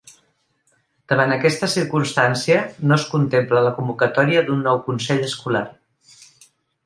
Davant aquesta circumstància, no es contempla la convocatòria d’un nou consell escolar.